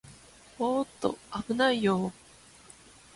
おーっと、あぶないよー